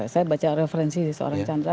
saya baca referensi seorang chandra